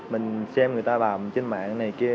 mình xem người ta bà trên mạng này kia